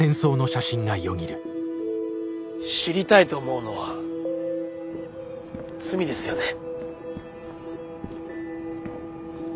知りたいと思うのは罪ですよね。